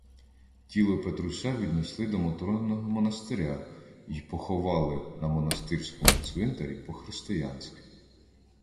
Тіло Петруся віднесли до Мотриного монастиря й поховали на монастирському цвинтарі по-християнськи.